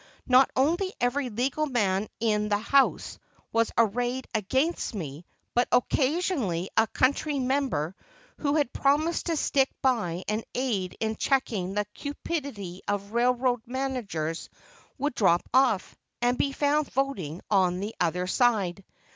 Not only every legal man in the house was arrayed against me, but occasionally a "country member" who had promised to stick by and aid in checking the cupidity of railroad managers, would drop off, and be found voting on the other side.